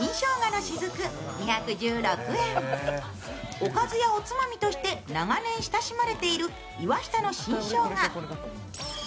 おかずやおつまみとして長年親しまれている岩下の新生姜。